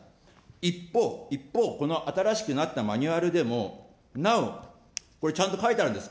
一方、一方、この新しくなったマニュアルでも、なお、ちゃんと書いてあるんです。